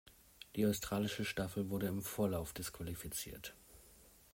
Die australische Staffel wurde im Vorlauf disqualifiziert.